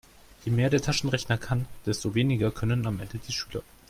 Je mehr der Taschenrechner kann, desto weniger können am Ende die Schüler.